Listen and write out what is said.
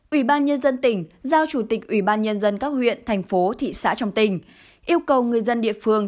ubnd tỉnh giao chủ tịch ubnd các huyện thành phố thị xã trong tỉnh yêu cầu người dân địa phương